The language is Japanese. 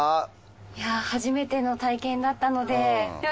いや初めての体験だったので。